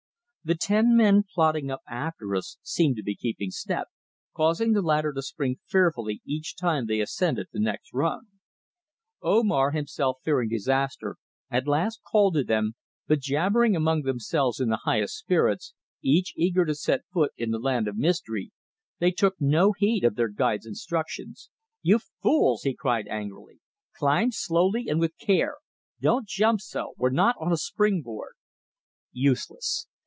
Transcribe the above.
The ten men plodding up after us seemed to be keeping step, causing the ladder to spring fearfully each time they ascended the next rung. Omar, himself fearing disaster, at last called to them, but jabbering among themselves in the highest spirits, each eager to set foot in the land of mystery, they took no heed of their guide's instructions. "You fools!" he cried angrily. "Climb slowly and with care. Don't jump so. We're not on a spring board." Useless.